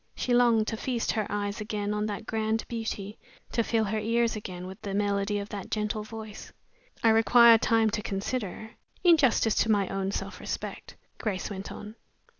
She longed to feast her eyes again on that grand beauty, to fill her ears again with the melody of that gentle voice. "I require time to consider in justice to my own self respect," Grace went on.